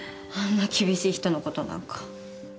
あんな厳しい人のことなんか。